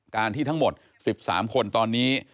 การที่ทั้งหมด๑๓คนตอนนี้